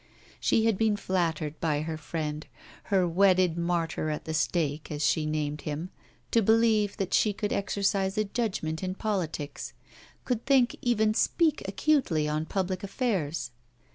She had been flattered by her friend, her 'wedded martyr at the stake,' as she named him, to believe that she could exercise a judgement in politics could think, even speak acutely, on public affairs.